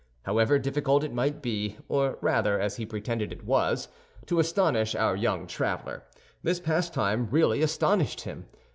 However difficult it might be, or rather as he pretended it was, to astonish our young traveler, this pastime really astonished him.